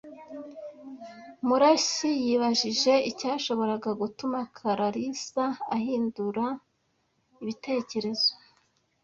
Murashyi yibajije icyashoboraga gutuma Kalarisa ahindura ibitekerezo.